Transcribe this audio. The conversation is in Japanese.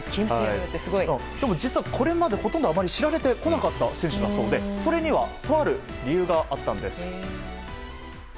実はこれまでほとんど知られてこなかった選手だそうでそれにはとある理由があったんです。